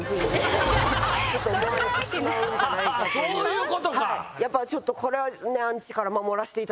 そういうことか！